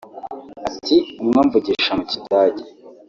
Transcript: Ati “Umwe amvugisha mu Kigande